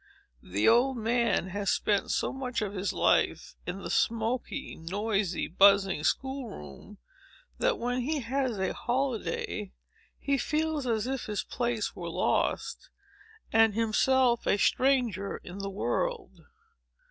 The old man has spent so much of his life in the smoky, noisy, buzzing school room, that, when he has a holiday, he feels as if his place were lost, and himself a stranger in the world.